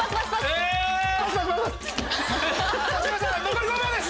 残り５秒です。